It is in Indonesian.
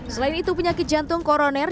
selain itu penyakit jantung koroner